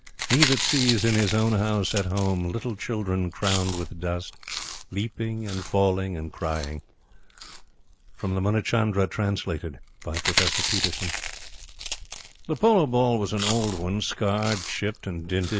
He that sees in his own house at home little children crowned with dust, leaping and falling and crying." Munichandra, translated by Professor Peterson. The polo ball was an old one, scarred, chipped, and dinted.